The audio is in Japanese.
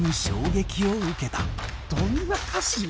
「どんな歌詞よ？」